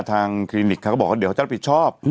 คลินิกเขาก็บอกว่าเดี๋ยวจะรับผิดชอบ